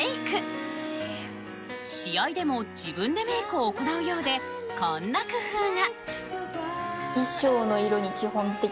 試合でも自分でメイクを行うようでこんな工夫が。